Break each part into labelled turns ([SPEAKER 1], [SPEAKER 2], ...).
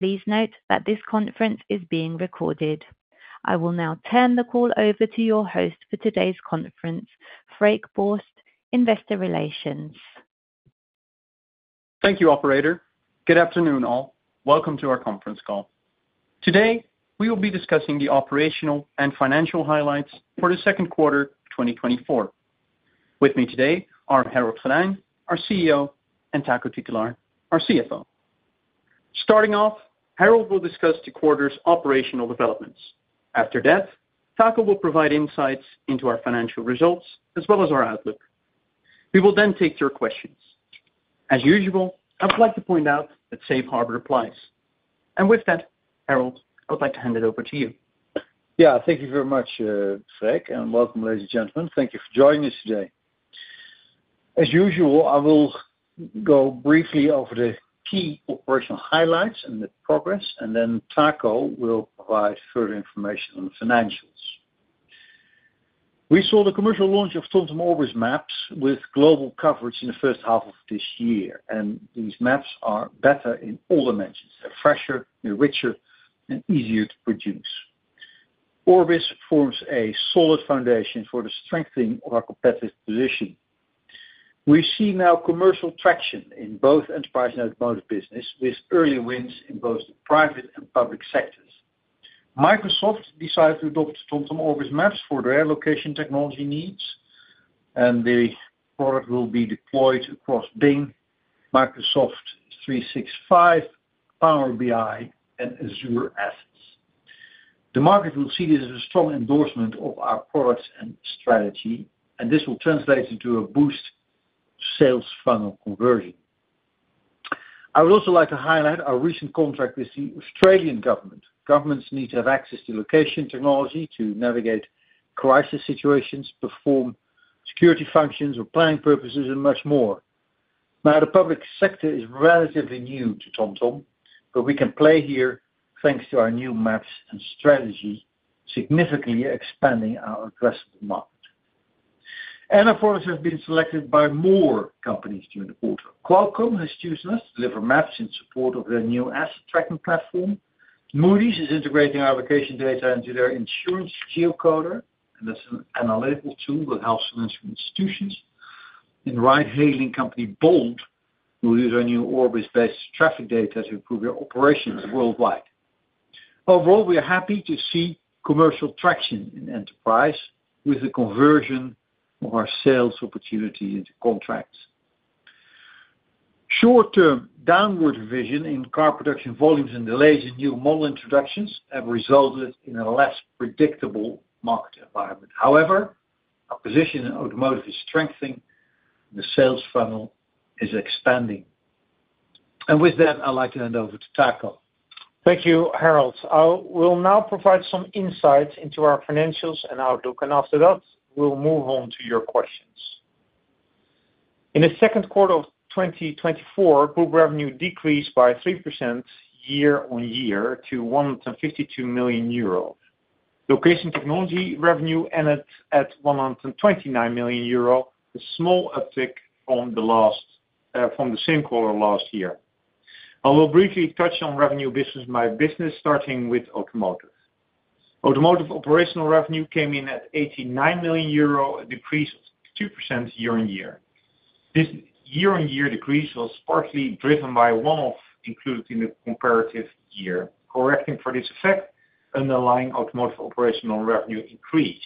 [SPEAKER 1] Please note that this conference is being recorded. I will now turn the call over to your host for today's conference, Freek Borst, Investor Relations.
[SPEAKER 2] Thank you, operator. Good afternoon, all. Welcome to our conference call. Today, we will be discussing the operational and financial highlights for the second quarter, 2024. With me today are Harold Goddijn, our CEO, and Taco Titulaer, our CFO. Starting off, Harold will discuss the quarter's operational developments. After that, Taco will provide insights into our financial results as well as our outlook. We will then take your questions. As usual, I would like to point out that Safe Harbor applies. And with that, Harold, I would like to hand it over to you.
[SPEAKER 3] Yeah, thank you very much, Freek, and welcome, ladies and gentlemen. Thank you for joining us today. As usual, I will go briefly over the key operational highlights and the progress, and then Taco will provide further information on the financials. We saw the commercial launch of TomTom Orbis Maps with global coverage in the first half of this year, and these maps are better in all dimensions. They're fresher, they're richer, and easier to produce. Orbis forms a solid foundation for the strengthening of our competitive position. We see now commercial traction in both enterprise and automotive business, with early wins in both the private and public sectors. Microsoft decided to adopt TomTom Orbis Maps for their location technology needs, and the product will be deployed across Bing, Microsoft 365, Power BI, and Azure. The market will see this as a strong endorsement of our products and strategy, and this will translate into a boost sales funnel conversion. I would also like to highlight our recent contract with the Australian Government. Governments need to have access to location technology to navigate crisis situations, perform security functions or planning purposes, and much more. Now, the public sector is relatively new to TomTom, but we can play here thanks to our new maps and strategy, significantly expanding our addressable market. Of course, have been selected by more companies during the quarter. Qualcomm has chosen us to deliver maps in support of their new asset tracking platform. Moody's is integrating our location data into their Insurance Geocoder, and that's an analytical tool that helps financial institutions. Ride-hailing company, Bolt, will use our new Orbis-based traffic data to improve their operations worldwide. Overall, we are happy to see commercial traction in enterprise with the conversion of our sales opportunity into contracts. Short-term downward revision in car production volumes and delays in new model introductions have resulted in a less predictable market environment. However, our position in automotive is strengthening. The sales funnel is expanding. With that, I'd like to hand over to Taco.
[SPEAKER 4] Thank you, Harold. I will now provide some insight into our financials and outlook, and after that, we'll move on to your questions. In the second quarter of 2024, group revenue decreased by 3% year-on-year to 152 million euros. Location technology revenue ended at 129 million euro, a small uptick from the same quarter last year. I will briefly touch on revenue business by business, starting with automotive. Automotive operational revenue came in at 89 million euro, a decrease of 2% year-on-year. This year-on-year decrease was partly driven by one-off, included in the comparative year. Correcting for this effect, underlying automotive operational revenue increased.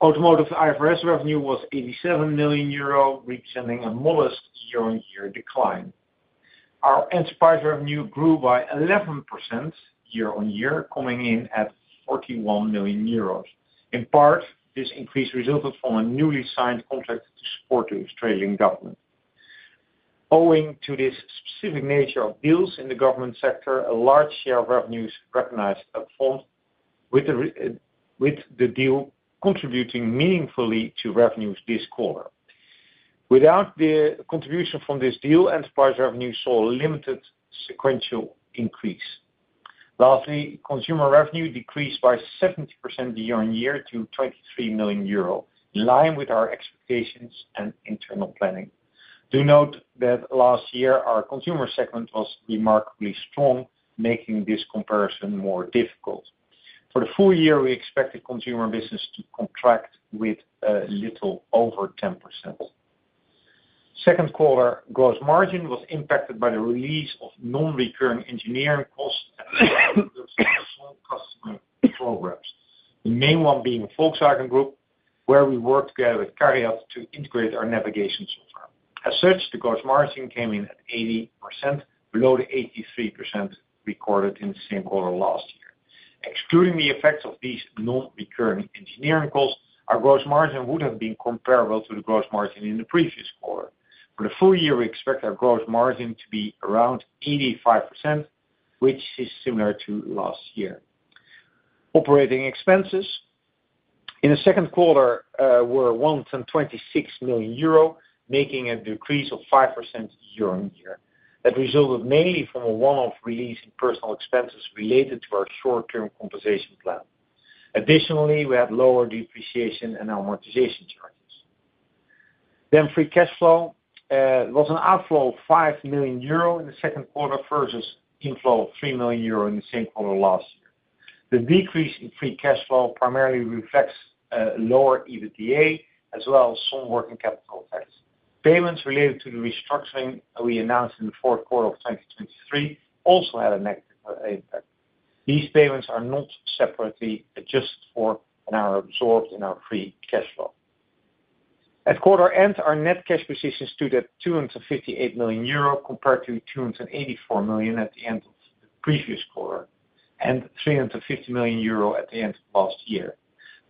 [SPEAKER 4] Automotive IFRS revenue was 87 million euro, representing a modest year-on-year decline. Our enterprise revenue grew by 11% year-on-year, coming in at 41 million euros. In part, this increase resulted from a newly signed contract to support the Australian Government. Owing to this specific nature of deals in the government sector, a large share of revenues recognized up front with the deal contributing meaningfully to revenues this quarter. Without the contribution from this deal, enterprise revenue saw a limited sequential increase. Lastly, consumer revenue decreased by 70% year-on-year to 23 million euro, in line with our expectations and internal planning. Do note that last year, our consumer segment was remarkably strong, making this comparison more difficult. For the full year, we expect the consumer business to contract with little over 10%. Second quarter gross margin was impacted by the release of non-recurring engineering costs, customer programs, the main one being Volkswagen Group, where we worked together with CARIAD to integrate our navigation software. As such, the gross margin came in at 80%, below the 83% recorded in the same quarter last year. Excluding the effects of these non-recurring engineering costs, our gross margin would have been comparable to the gross margin in the previous quarter. For the full year, we expect our gross margin to be around 85%, which is similar to last year. Operating expenses in the second quarter were 126 million euro, making a decrease of 5% year-over-year. That resulted mainly from a one-off release in personal expenses related to our short-term compensation plan. Additionally, we had lower depreciation and amortization charges.... Free cash flow was an outflow of 5 million euro in the second quarter versus inflow of 3 million euro in the same quarter last year. The decrease in free cash flow primarily reflects lower EBITDA, as well as some working capital effects. Payments related to the restructuring we announced in the fourth quarter of 2023 also had a negative impact. These payments are not separately adjusted for and are absorbed in our free cash flow. At quarter end, our net cash position stood at 258 million euro, compared to 284 million at the end of the previous quarter, and 350 million euro at the end of last year.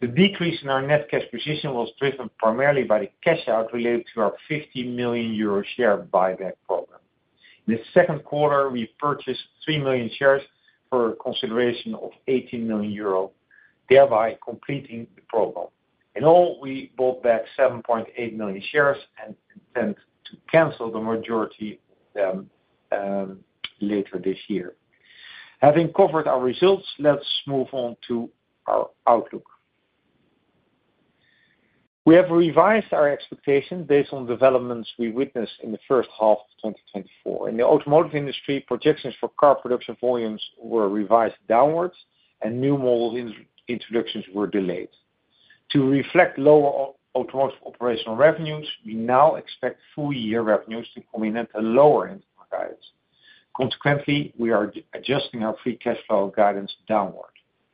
[SPEAKER 4] The decrease in our net cash position was driven primarily by the cash out related to our 50 million euro share buyback program. In the second quarter, we purchased 3 million shares for a consideration of 80 million euro, thereby completing the program. In all, we bought back 7.8 million shares and intend to cancel the majority of them later this year. Having covered our results, let's move on to our outlook. We have revised our expectations based on developments we witnessed in the first half of 2024. In the automotive industry, projections for car production volumes were revised downwards, and new model introductions were delayed. To reflect lower automotive operational revenues, we now expect full year revenues to come in at the lower end of our guidance. Consequently, we are adjusting our free cash flow guidance downward.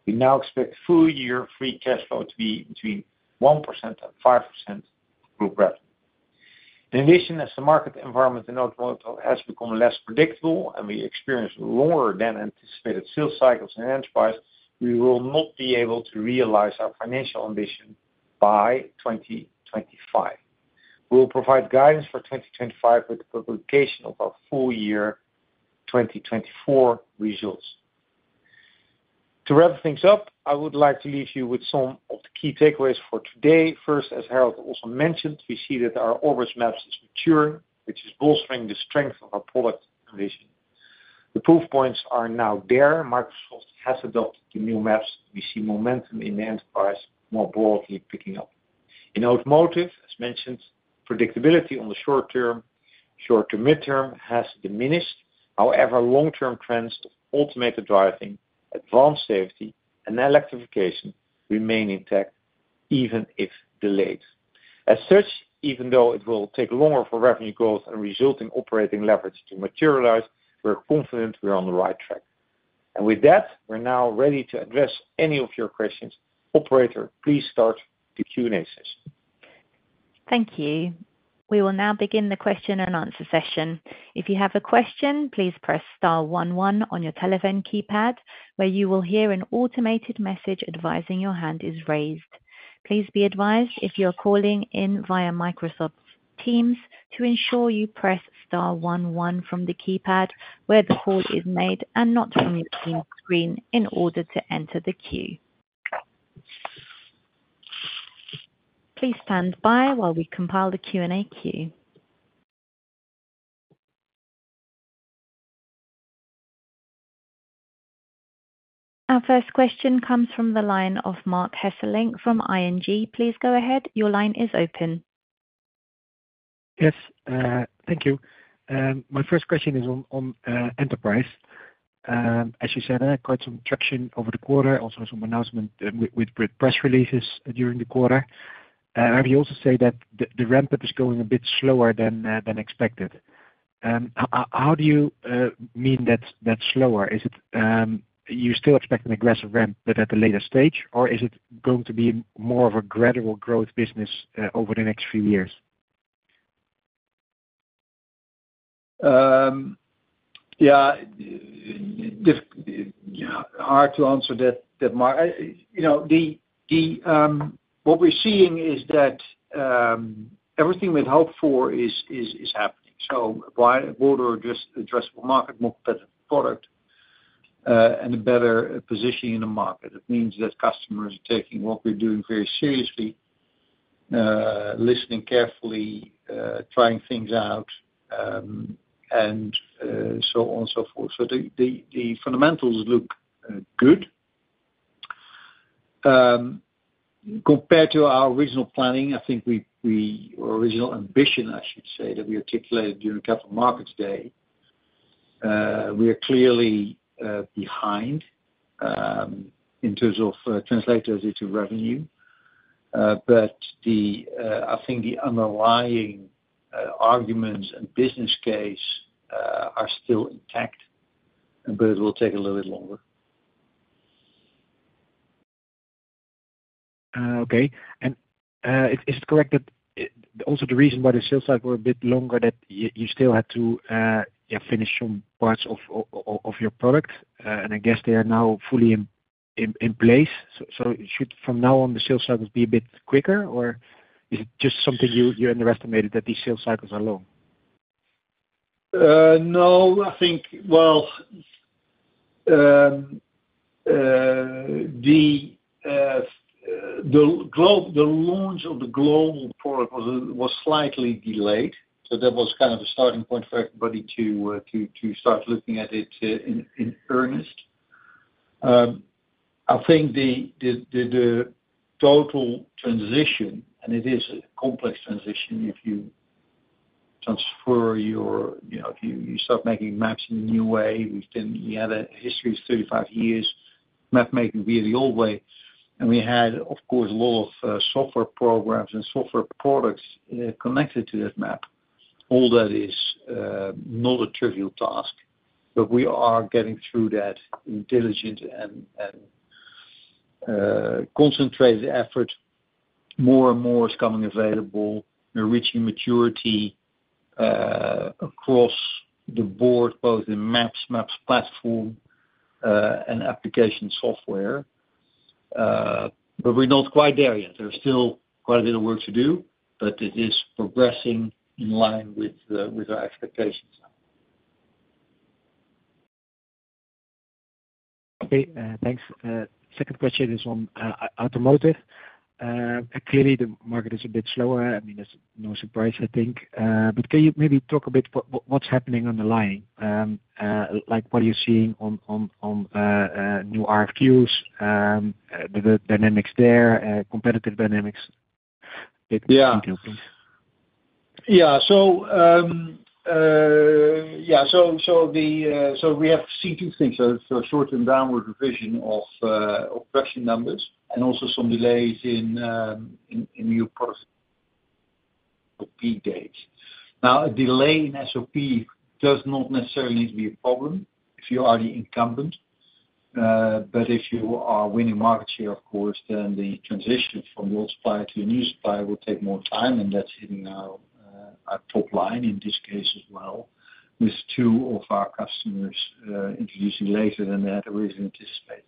[SPEAKER 4] We now expect full year free cash flow to be between 1% and 5% group revenue. In addition, as the market environment in automotive has become less predictable, and we experience lower than anticipated sales cycles in enterprise, we will not be able to realize our financial ambition by 2025. We will provide guidance for 2025 with the publication of our full year 2024 results. To wrap things up, I would like to leave you with some of the key takeaways for today. First, as Harold also mentioned, we see that our Orbis Maps is maturing, which is bolstering the strength of our product position. The proof points are now there. Microsoft has adopted the new maps. We see momentum in the enterprise more broadly picking up. In automotive, as mentioned, predictability on the short term, short to mid-term has diminished. However, long-term trends to automated driving, advanced safety, and electrification remain intact, even if delayed. As such, even though it will take longer for revenue growth and result in operating leverage to materialize, we're confident we're on the right track. And with that, we're now ready to address any of your questions. Operator, please start the Q&A session.
[SPEAKER 1] Thank you. We will now begin the question and answer session. If you have a question, please press star one-one on your telephone keypad, where you will hear an automated message advising your hand is raised. Please be advised, if you are calling in via Microsoft Teams, to ensure you press star one one from the keypad where the call is made and not from your Teams screen in order to enter the queue. Please stand by while we compile the Q&A queue. Our first question comes from the line of Marc Hesselink from ING. Please go ahead. Your line is open.
[SPEAKER 5] Yes, thank you. My first question is on Enterprise. As you said, quite some traction over the quarter, also some announcement with press releases during the quarter. You also say that the ramp-up is going a bit slower than expected. How do you mean that's slower? Is it you still expect an aggressive ramp, but at a later stage, or is it going to be more of a gradual growth business over the next few years?
[SPEAKER 3] Yeah, hard to answer that, Marc. You know, what we're seeing is that everything we'd hoped for is happening. So wider broader addressable market, more better product, and a better position in the market. It means that customers are taking what we're doing very seriously, listening carefully, trying things out, and so on and so forth. So the fundamentals look good. Compared to our original planning, I think we original ambition, I should say, that we articulated during Capital Markets Day, we are clearly behind in terms of translating into revenue. But I think the underlying arguments and business case are still intact, but it will take a little bit longer.
[SPEAKER 5] Okay. And, is it correct that also the reason why the sales cycle were a bit longer, that you still had to yeah finish some parts of your product, and I guess they are now fully in place. So should from now on, the sales cycles be a bit quicker, or is it just something you underestimated, that these sales cycles are long?
[SPEAKER 3] No, I think, well, the launch of the global product was, was slightly delayed, so that was kind of a starting point for everybody to, to, to start looking at it, in, in earnest.... I think the total transition, and it is a complex transition, if you transfer your, you know, if you start making maps in a new way, we had a history of 35 years map making via the old way, and we had, of course, a lot of software programs and software products connected to that map. All that is not a trivial task, but we are getting through that intelligent and concentrated effort. More and more is coming available. We're reaching maturity across the board, both in maps, maps platform, and application software. But we're not quite there yet. There's still quite a bit of work to do, but it is progressing in line with our expectations.
[SPEAKER 5] Okay, thanks. Second question is on automotive. Clearly, the market is a bit slower. I mean, that's no surprise, I think. But can you maybe talk a bit what's happening on the line? Like, what are you seeing on new RFQs, the dynamics there, competitive dynamics?
[SPEAKER 3] Yeah. So, we have seen two things. A short and downward revision of production numbers, and also some delays in new product peak dates. Now, a delay in SOP does not necessarily need to be a problem if you are the incumbent. But if you are winning market share, of course, then the transition from the old supplier to a new supplier will take more time, and that's hitting now our top line in this case as well, with two of our customers introducing later than they had originally anticipated.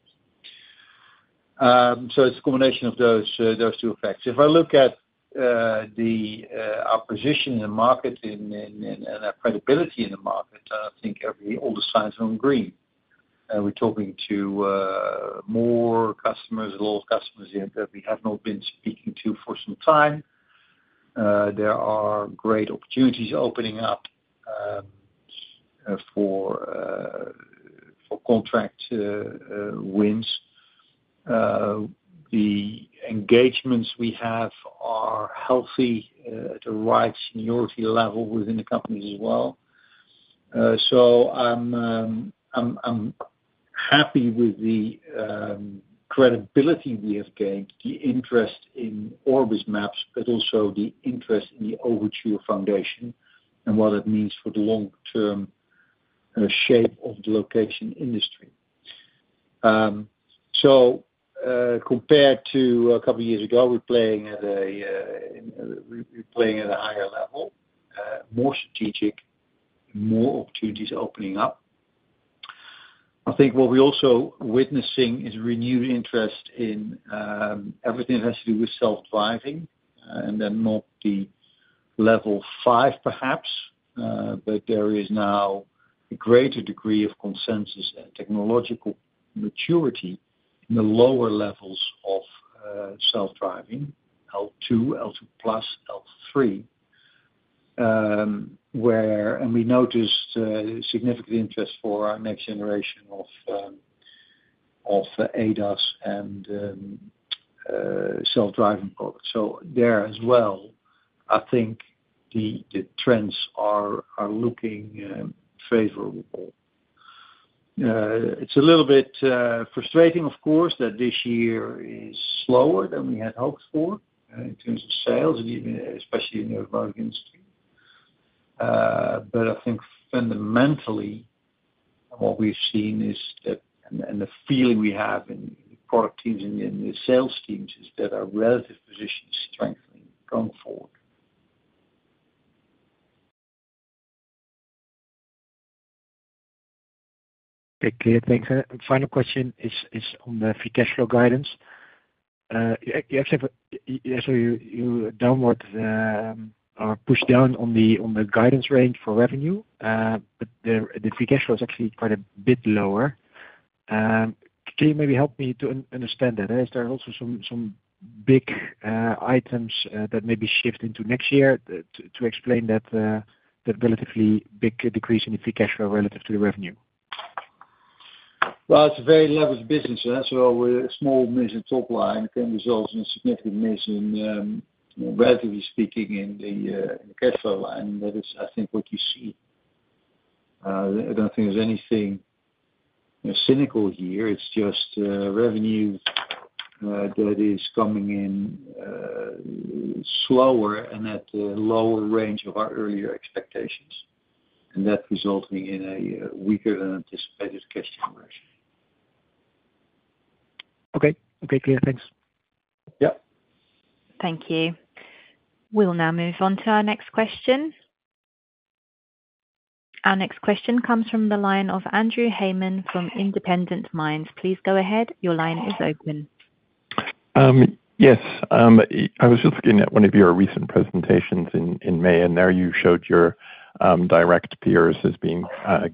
[SPEAKER 3] So it's a combination of those two effects. If I look at our position in the market and our credibility in the market, I think all the signs are on green. We're talking to more customers, a lot of customers that we have not been speaking to for some time. There are great opportunities opening up for contract wins. The engagements we have are healthy at the right seniority level within the company as well. So I'm happy with the credibility we have gained, the interest in Orbis Maps, but also the interest in the Overture Foundation and what it means for the long-term shape of the location industry. So compared to a couple of years ago, we're playing at a higher level, more strategic, more opportunities are opening up. I think what we're also witnessing is renewed interest in everything that has to do with self-driving, and then not the level 5 perhaps, but there is now a greater degree of consensus and technological maturity in the lower levels of self-driving, L2, L2 plus, L3. And we noticed significant interest for our next generation of ADAS and self-driving products. So there as well, I think the trends are looking favorable. It's a little bit frustrating, of course, that this year is slower than we had hoped for in terms of sales, and even especially in the automotive industry. But I think fundamentally, what we've seen is that, and the feeling we have in product teams and in the sales teams, is that our relative position is strengthening going forward.
[SPEAKER 5] Okay, clear. Thanks. Final question is on the free cash flow guidance. You actually, so you downward or pushed down on the guidance range for revenue, but the free cash flow is actually quite a bit lower. Can you maybe help me to understand that? Is there also some big items that may be shifted into next year to explain that relatively big decrease in the free cash flow relative to the revenue?
[SPEAKER 3] Well, it's a very leveraged business, so with a small miss in top line can result in a significant miss in, relatively speaking, in the, cashflow line. That is, I think, what you see. I don't think there's anything, cynical here. It's just, revenue, that is coming in, slower and at a lower range of our earlier expectations, and that resulting in a weaker than anticipated cash conversion.
[SPEAKER 5] Okay. Okay, clear. Thanks.
[SPEAKER 3] Yeah.
[SPEAKER 1] Thank you. We'll now move on to our next question. Our next question comes from the line of Andrew Hayman from Independent Minds. Please go ahead. Your line is open.
[SPEAKER 6] Yes. I was just looking at one of your recent presentations in May, and there you showed your direct peers as being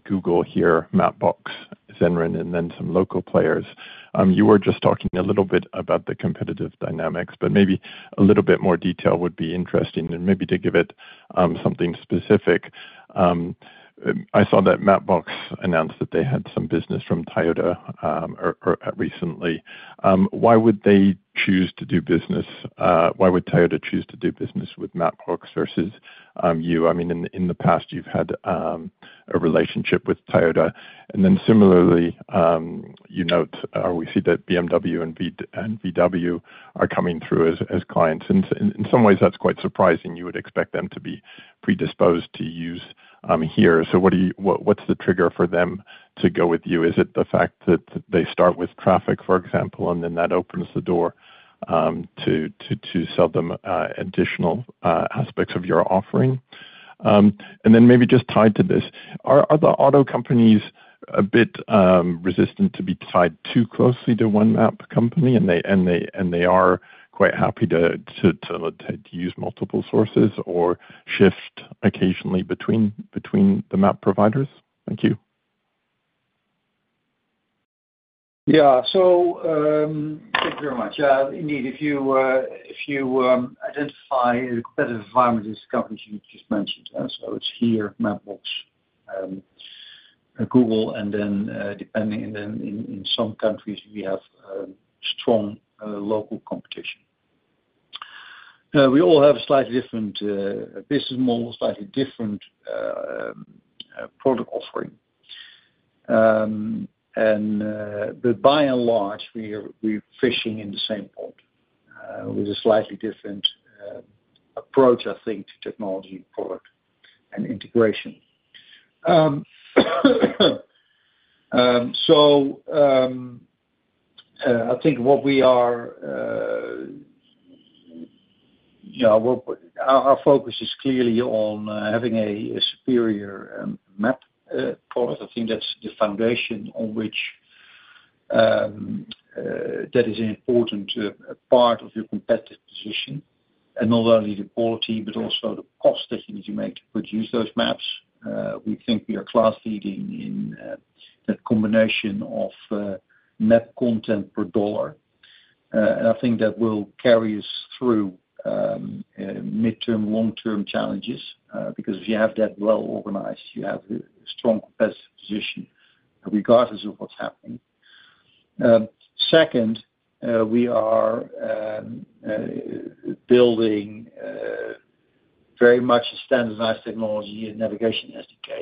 [SPEAKER 6] Google, HERE, Mapbox, Zenrin, and then some local players. You were just talking a little bit about the competitive dynamics, but maybe a little bit more detail would be interesting, and maybe to give it something specific. I saw that Mapbox announced that they had some business from Toyota recently. Why would they choose to do business, why would Toyota choose to do business with Mapbox versus you? I mean, in the past, you've had a relationship with Toyota, and then similarly, you note, or we see that BMW and VW are coming through as clients. In some ways, that's quite surprising. You would expect them to be predisposed to use HERE. So what... what's the trigger for them to go with you? Is it the fact that they start with traffic, for example, and then that opens the door to sell them additional aspects of your offering? And then maybe just tied to this, are the auto companies a bit resistant to be tied too closely to one map company, and they are quite happy to use multiple sources or shift occasionally between the map providers? Thank you.
[SPEAKER 3] Yeah. So, thank you very much. Indeed, if you identify the competitive environment, these companies you just mentioned, so it's HERE, Mapbox, Google, and then, depending, and then in some countries, we have strong local competition. We all have a slightly different business model, slightly different product offering. And, but by and large, we are, we're fishing in the same pond with a slightly different approach, I think, to technology, product, and integration. So, I think what we are, you know, our focus is clearly on having a superior map product. I think that's the foundation on which that is an important part of your competitive position, and not only the quality, but also the cost that you need to make to produce those maps. We think we are class-leading in that combination of map content per dollar, and I think that will carry us through midterm, long-term challenges, because if you have that well organized, you have a strong competitive position regardless of what's happening. Second, we are building very much a standardized technology and navigation SDK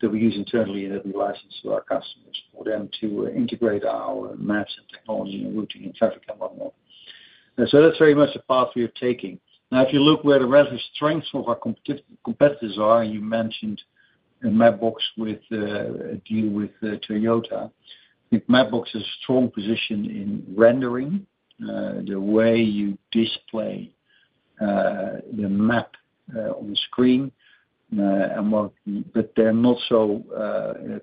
[SPEAKER 3] that we use internally, and that we license to our customers for them to integrate our maps and technology and routing and traffic and whatnot. And so that's very much the path we are taking. Now, if you look where the relative strengths of our competitors are, you mentioned, in Mapbox with, a deal with, Toyota. I think Mapbox has a strong position in rendering, the way you display, the map, on the screen, and what... But they're not so,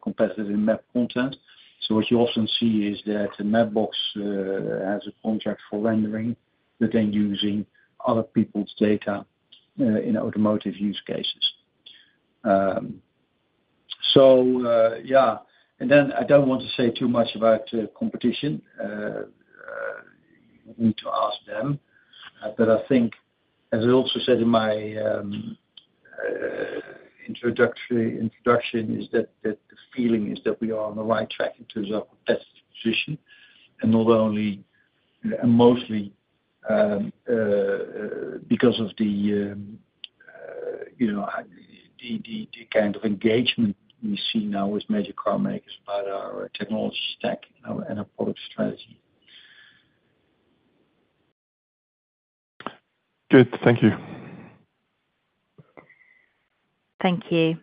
[SPEAKER 3] competitive in map content. So what you often see is that Mapbox, has a contract for rendering, but then using other people's data, in automotive use cases. So, yeah, and then I don't want to say too much about, competition, you need to ask them. But I think, as I also said in my introduction, is that the feeling is that we are on the right track in terms of competitive position, and not only, and mostly, because of the, you know, the kind of engagement we see now with major car makers about our technology stack and our product strategy.
[SPEAKER 6] Good. Thank you.
[SPEAKER 1] Thank you.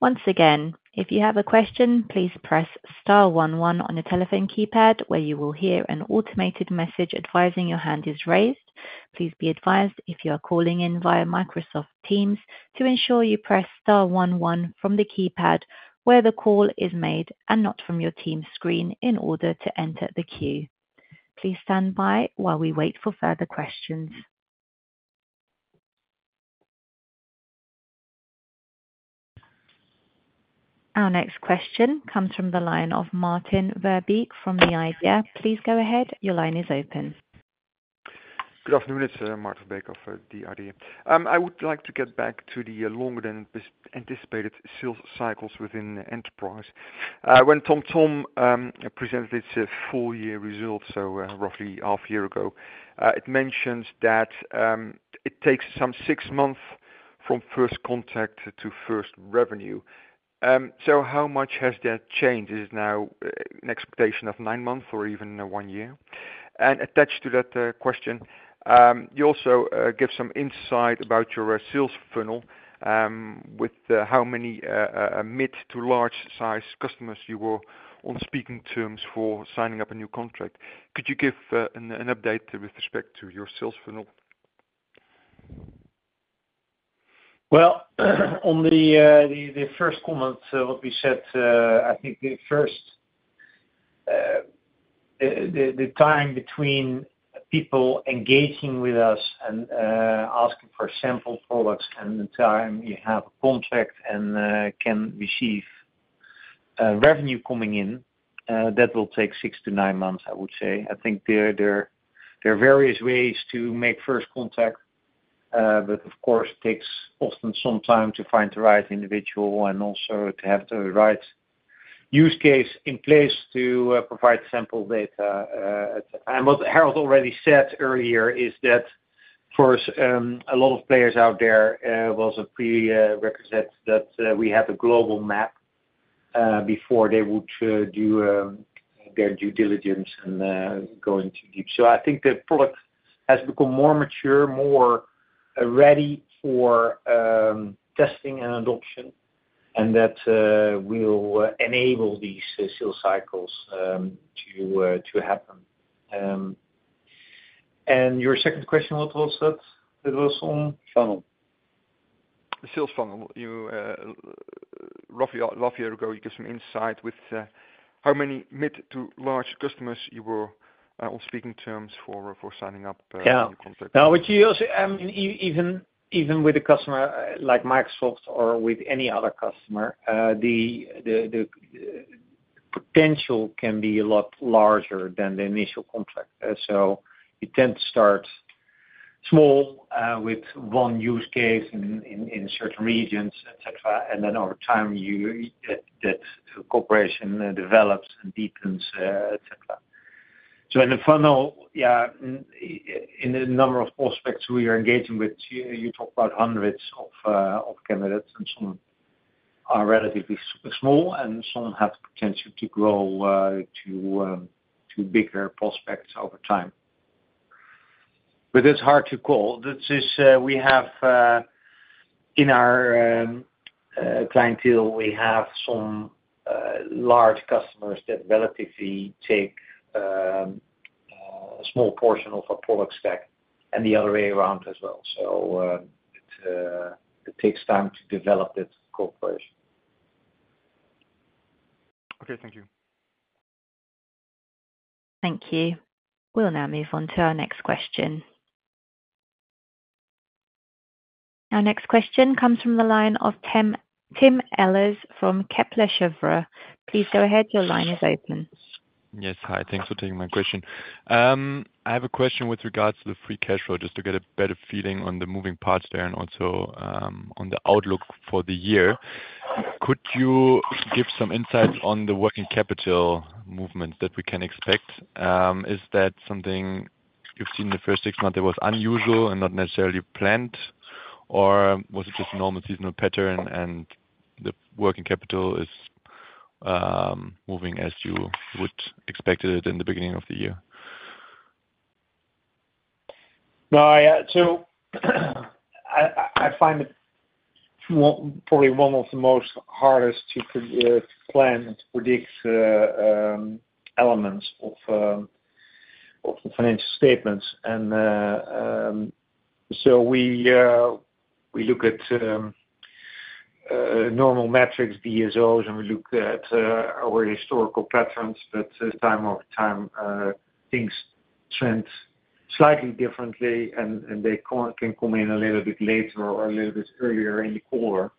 [SPEAKER 1] Once again, if you have a question, please press star one-one on your telephone keypad, where you will hear an automated message advising your hand is raised. Please be advised, if you are calling in via Microsoft Teams, to ensure you press star one one from the keypad where the call is made and not from your Teams screen, in order to enter the queue. Please stand by while we wait for further questions. Our next question comes from the line of Maarten Verbeek from The Idea. Please go ahead. Your line is open.
[SPEAKER 7] Good afternoon. It's Maarten Verbeek of the IDEA. I would like to get back to the longer than anticipated sales cycles within the enterprise. When TomTom presented its full-year results, so roughly half year ago, it mentions that it takes some six months from first contact to first revenue. So how much has that changed? Is it now an expectation of nine months or even one year? And attached to that question, you also give some insight about your sales funnel, with how many mid- to large-size customers you were on speaking terms for signing up a new contract. Could you give an update with respect to your sales funnel?
[SPEAKER 3] Well, on the first comment, what we said, I think the first, the time between-... people engaging with us and, asking for sample products and the time we have a contract and, can receive, revenue coming in, that will take 6-9 months, I would say. I think there are various ways to make first contact, but of course, it takes often some time to find the right individual and also to have the right use case in place to, provide sample data. And what Harold already said earlier is that first, a lot of players out there, was a prerequisite that, we have a global map, before they would, do, their due diligence and, go into deep. So I think the product has become more mature, more ready for testing and adoption, and that will enable these sales cycles to happen. And your second question, what was that? It was the funnel. The sales funnel. You roughly a year ago gave some insight with how many mid to large customers you were on speaking terms for signing up, Yeah. contracts. Now, what you also even, even with a customer like Microsoft or with any other customer, the potential can be a lot larger than the initial contract. So it tends to start small with one use case in certain regions, et cetera, and then over time, that cooperation develops and deepens, et cetera. So in the funnel, in the number of prospects we are engaging with, you talk about hundreds of candidates, and some are relatively small, and some have the potential to grow to bigger prospects over time. But it's hard to call. This is, we have in our clientele, we have some large customers that relatively take a small portion of our product stack, and the other way around as well. So, it takes time to develop that cooperation. Okay, thank you.
[SPEAKER 1] Thank you. We'll now move on to our next question. Our next question comes from the line of Tim, Tim Ehlers from Kepler Cheuvreux. Please go ahead. Your line is open.
[SPEAKER 8] Yes, hi. Thanks for taking my question. I have a question with regards to the free cash flow, just to get a better feeling on the moving parts there and also, on the outlook for the year. Could you give some insight on the working capital movements that we can expect? Is that something you've seen in the first six months that was unusual and not necessarily planned, or was it just a normal seasonal pattern and the working capital is, moving as you would expected it in the beginning of the year?
[SPEAKER 4] Well, yeah, so, I find it one, probably one of the most hardest to plan and to predict elements of the financial statements. And, so we look at normal metrics, DSOs, and we look at our historical patterns, but time over time, things trend slightly differently, and they can come in a little bit later or a little bit earlier in the quarter.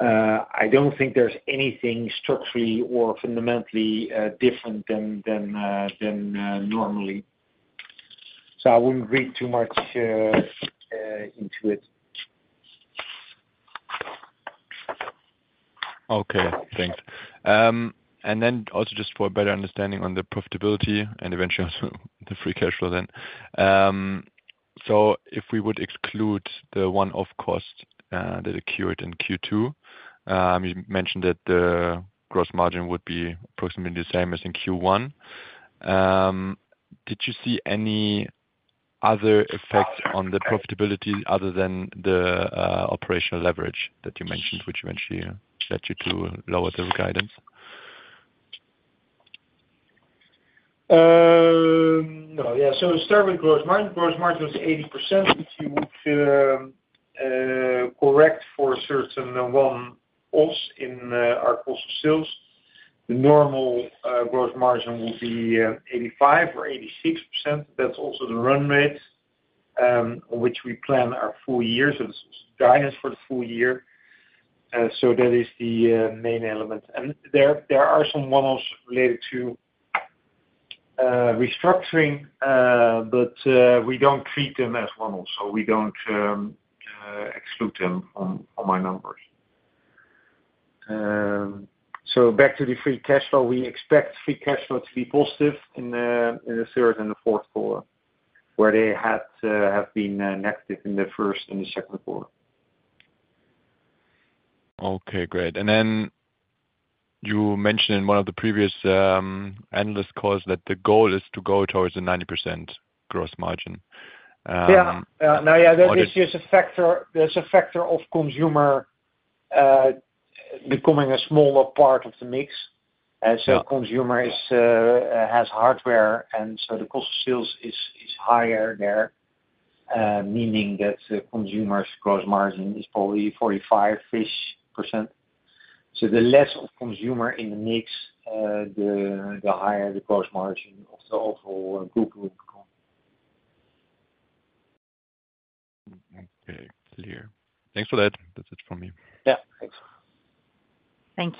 [SPEAKER 4] I don't think there's anything structurally or fundamentally different than normally, so I wouldn't read too much into it.
[SPEAKER 8] Okay, thanks. And then also just for a better understanding on the profitability and eventually also the free cash flow then. So if we would exclude the one-off cost that occurred in Q2, you mentioned that the gross margin would be approximately the same as in Q1. Did you see any other effect on the profitability other than the operational leverage that you mentioned, which eventually led you to lower the guidance?
[SPEAKER 4] No. Yeah, so start with gross margin. Gross margin was 80%, if you would correct for a certain one-off in our cost of sales. The normal gross margin will be 85% or 86%. That's also the run rate which we plan our full years of guidance for the full year. So that is the main element. And there are some one-offs related to restructuring, but we don't treat them as one-offs, so we don't exclude them from all my numbers. So back to the free cash flow, we expect free cash flow to be positive in the third and the fourth quarter, where they have been negative in the first and the second quarter.
[SPEAKER 8] Okay, great. You mentioned in one of the previous analyst calls that the goal is to go towards the 90% gross margin,
[SPEAKER 4] Yeah. Now,
[SPEAKER 8] Or the-...
[SPEAKER 4] that is just a factor, there's a factor of consumer, becoming a smaller part of the mix.
[SPEAKER 8] Yeah.
[SPEAKER 4] So consumer is has hardware, and so the cost of sales is higher there, meaning that the consumer's gross margin is probably 45-ish%. So the less of consumer in the mix, the higher the gross margin of the overall group will become.
[SPEAKER 8] Okay, clear. Thanks for that. That's it from me.
[SPEAKER 4] Yeah, thanks.
[SPEAKER 1] Thank you.